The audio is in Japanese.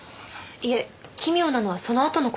いえ奇妙なのはそのあとの事なんです。